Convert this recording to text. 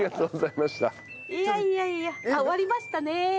いやいやいやあっ終わりましたね。